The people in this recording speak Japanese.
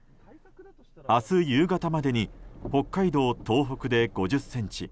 明日夕方までに北海道、東北で５０ｃｍ